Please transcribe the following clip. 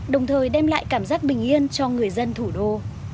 đồng thời đem lại cảm giác bình yên cho người dân thủ đô